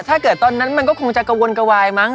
ตอนนั้นมันก็คงจะกระวนกระวายมั้